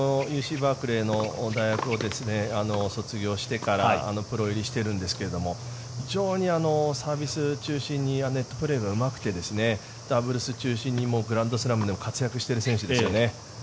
バークレーの大学を卒業してからプロ入りしているんですけれども非常にサービスを中心にネットプレーがうまくてダブルス中心にグランドスラムでも活躍している選手ですよね。